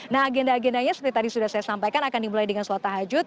nah agenda agendanya seperti tadi sudah saya sampaikan akan dimulai dengan sholat tahajud